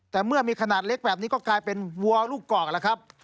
แต่เมื่อมีขนาดเล็กแบบนี้ก็กลายเป็นวัวลูกกรอกแล้วครับ